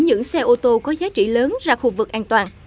những xe ô tô có giá trị lớn ra khu vực an toàn